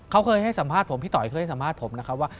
เขาเคยให้สัมภาษณ์ผมพี่ต่อยเคยให้สัมภาษณ์ผมนะครับว่า